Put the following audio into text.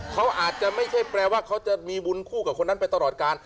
เขาอาจจะไม่ใช่แปลว่าเขาจะมีบุญคู่กับคนนั้นไปตลอดการ